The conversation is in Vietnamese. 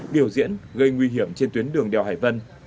biểu diễn gây nguy hiểm trên tuyến đường đèo hải vân